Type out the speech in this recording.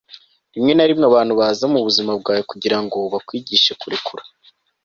rimwe na rimwe, abantu baza mu buzima bwawe kugira ngo bakwigishe kurekura